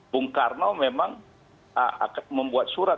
bung karno memang akan membuat surat